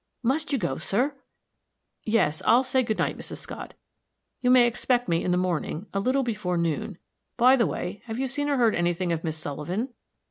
Must you go, sir?" "Yes; I'll say good night, Mrs. Scott. You may expect me in the morning, a little before noon. By the way, have you seen or heard any thing of Miss Sullivan?"